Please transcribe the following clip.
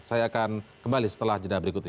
saya akan kembali setelah jeda berikut ini